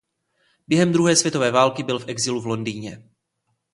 Během druhé světové války byl v exilu v Londýně.